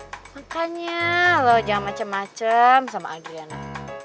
makanya lo jangan macem macem sama adriana